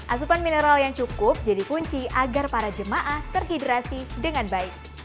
asupan mineral yang cukup jadi kunci agar para jemaah terhidrasi dengan baik